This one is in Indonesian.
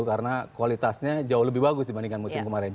karena kualitasnya jauh lebih bagus dibandingkan musim kemarin